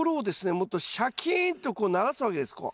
もっとシャキーンとこうならすわけですこう。